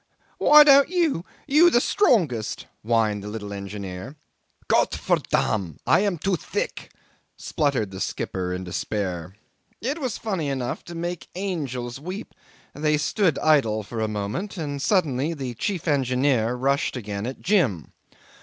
"Why don't you you the strongest?" whined the little engineer. "Gott for dam! I am too thick," spluttered the skipper in despair. It was funny enough to make angels weep. They stood idle for a moment, and suddenly the chief engineer rushed again at Jim.